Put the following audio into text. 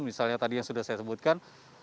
misalnya tadi yang sudah saya sebutkan